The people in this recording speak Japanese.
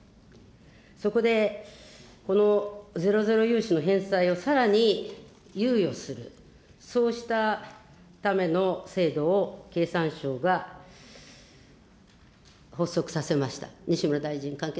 そこで、このゼロゼロ融資の返済をさらに猶予する、そうしたための制度を経産省が発足させました。